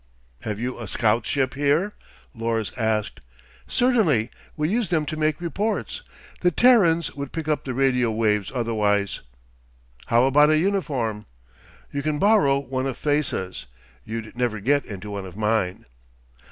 "Have you a scout ship here?" Lors asked. "Certainly. We use them to make reports. The Terrans would pick up the radio waves otherwise." "How about a uniform?" "You can borrow one of Thesa's. You'd never get into one of mine."